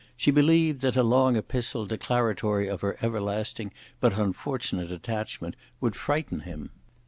She believed that a long epistle declaratory of her everlasting but unfortunate attachment would frighten him.